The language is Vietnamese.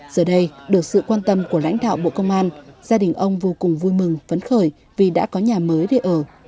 giờ đây được sự quan tâm của lãnh đạo bộ công an gia đình ông vô cùng vui mừng phấn khởi vì đã có nhà mới để ở